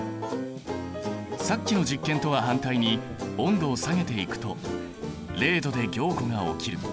さっきの実験とは反対に温度を下げていくと０℃で凝固が起きる。